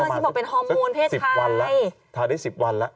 นี่บอกเป็นฮอร์โมนเพศไทยสิบวันล่ะถาได้สิบวันละ